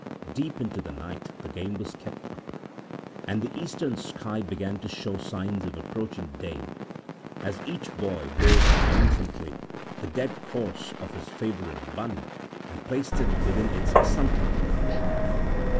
Deep into the night the game was kept up, and the eastern sky began to show signs of approaching day as each boy bore triumphantly the dead corse of his favourite bunny and placed it within its sometime hutch.